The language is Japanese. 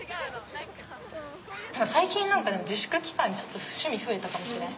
最近自粛期間でちょっと趣味増えたかもしれん。